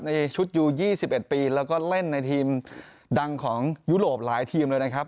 ในชุดยู๒๑ปีแล้วก็เล่นในทีมดังของยุโรปหลายทีมเลยนะครับ